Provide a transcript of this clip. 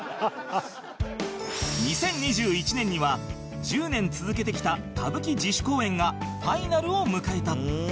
２０２１年には１０年続けてきた歌舞伎自主公演がファイナルを迎えた